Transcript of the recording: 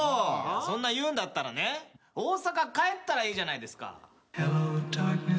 そんな言うんだったらね大阪帰ったらいいじゃないですか。